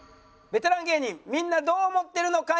ベテラン芸人みんなどう思ってる？の会。